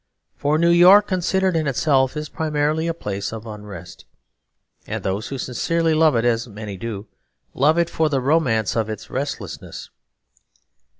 For New York considered in itself is primarily a place of unrest, and those who sincerely love it, as many do, love it for the romance of its restlessness.